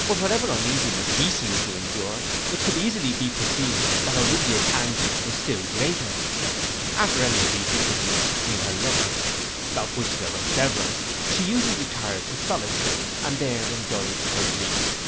But whatever uneasiness he seemed to endure, it could easily be perceived that Olivia's anguish was still greater. After any of these interviews between her lovers, of which there were several, she usually retired to solitude, and there indulged her grief.